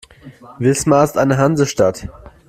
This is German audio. Wismar ist eine Hansestadt.